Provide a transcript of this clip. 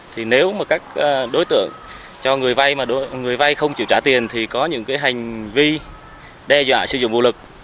thì nếu mà các đối tượng cho người vai mà người vai không chịu trả tiền thì có những cái hành vi đe dọa sử dụng vũ lực